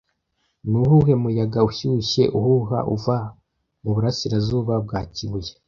Nuwuhe muyaga ushyushye uhuha uva mu burasirazuba bwa Kibuye